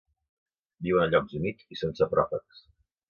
Viuen a llocs humits i són sapròfags.